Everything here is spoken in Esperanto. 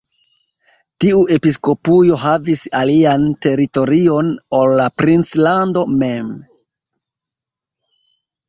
Tiu episkopujo havis alian teritorion ol la princlando mem.